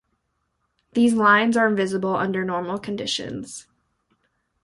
These lines are invisible under normal conditions.